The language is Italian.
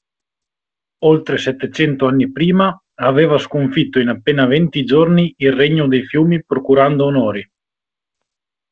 Oltre settecento anni prima, aveva sconfitto in appena venti giorni il regno dei fiumi procurando onori.